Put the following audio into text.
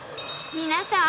皆さん